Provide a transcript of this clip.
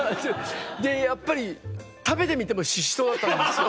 でやっぱり食べてみてもししとうだったんですよ。